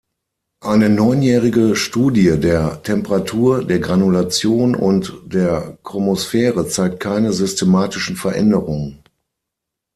Eine neunjährige Studie der Temperatur, der Granulation und der Chromosphäre zeigte keine systematischen Veränderungen.